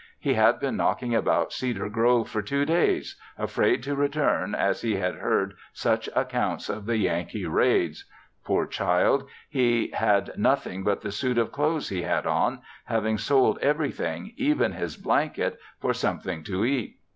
He had been knocking about Cedar Grove for two days afraid to return as he had heard such accounts of the Yankee raids. Poor child; he had nothing but the suit of clothes he had on, having sold everything, even his blanket, for something to eat.